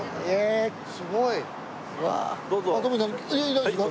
大丈夫ですか？